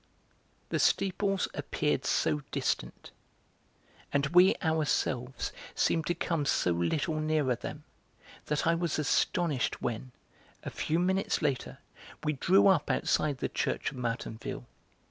The steeples appeared so distant, and we ourselves seemed to come so little nearer them, that I was astonished when, a few minutes later, we drew up outside the church of Martinville.